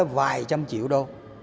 vài trăm triệu đô